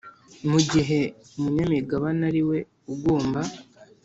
Mu gihe umunyamigabane ariwe ugomba